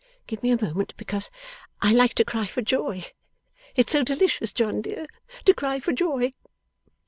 Give me a moment, because I like to cry for joy. It's so delicious, John dear, to cry for joy.